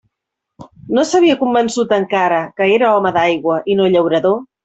No s'havia convençut encara que era home d'aigua i no llaurador?